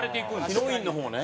ヒロインの方ね。